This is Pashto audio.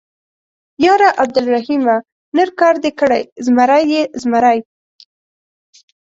_ياره عبدالرحيمه ، نر کار دې کړی، زمری يې، زمری.